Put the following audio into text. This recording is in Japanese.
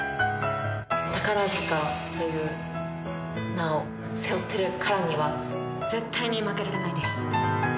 宝塚という名を背負ってるからには絶対に負けられないです。